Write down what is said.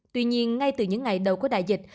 tuy nhiên ngay từ những ngày đầu của đại dịch